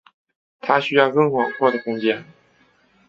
他需要更广阔的空间。